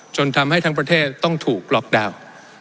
จนทำให้ทั้งประเทศต้องถูกล็อกดาวน์